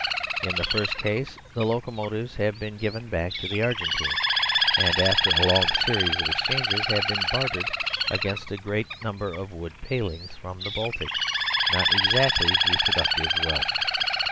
In the first case the locomotives have been given back to the Argentine, and after a long series of exchanges have been bartered against a great number of wood palings from the Baltic not exactly reproductive wealth.